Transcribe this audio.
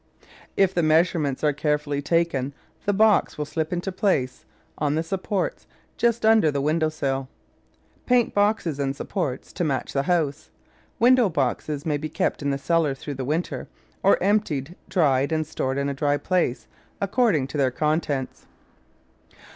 If the measurements are carefully taken the box will slip into place, on the supports, just under the window sill. Paint boxes and supports to match the house. Window boxes may be kept in the cellar through the winter, or emptied, dried and stored in a dry place, according to their contents.